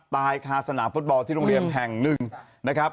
ตายคาสนามฟุตบอลที่โรงเรียนแห่งหนึ่งนะครับ